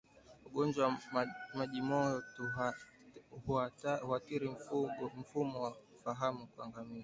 Ugonjwa wa majimoyo huathiri mfumo wa fahamu kwa ngamia